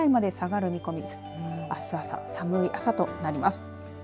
あす朝、寒い朝となります。